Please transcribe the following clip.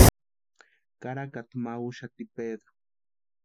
Karakata ma úxati Pedru.